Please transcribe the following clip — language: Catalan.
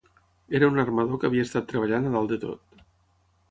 Era un armador que havia estat treballant a dalt de tot.